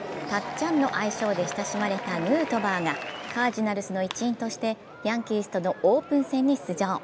ちゃんの愛称で親しまれたヌートバーがカージナルスの一員としてヤンキーストのオープン戦に出場。